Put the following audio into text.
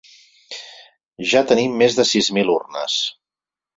Ja tenim més de sis mil urnes.